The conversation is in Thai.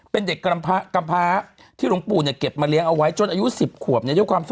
เป็นเด็กกรรมภาคที่หลวงปู่เก็บมาเลี้ยงเอาไว้จนอายุ๑๐ขวบ